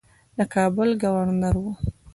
د کابل ګورنر وو.